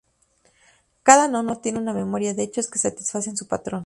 Cada nodo tiene una memoria de hechos que satisfacen su patrón.